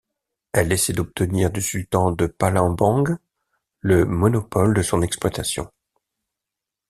Elle essaie d'obtenir du sultan de Palembang le monopole de son exploitation.